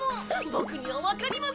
ボクにはわかります。